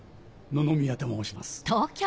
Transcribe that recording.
野々宮と申します。